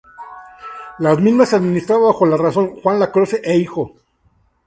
La misma se administraba bajo la razón "Juan Lacroze e Hijo".